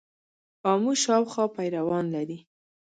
آمو شاوخوا پیروان لري.